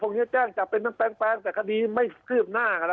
พรุ่งนี้แจ้งจับเป็นแปลงแต่คดีไม่ขืบหน้าค่ะล่ะ